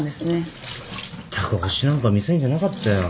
ったく星なんか見せんじゃなかったよ。